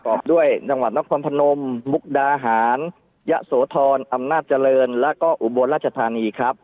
ด้วยจังหวัดนครพนมมุกดาหารยะโสธรอำนาจเจริญแล้วก็อุบลราชธานีครับ